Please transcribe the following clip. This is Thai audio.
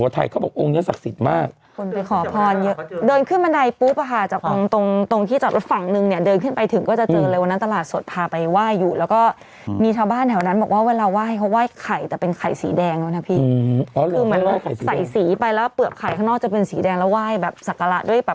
แต่รู้จักยังไงก็ไม่รอดคลิปครับ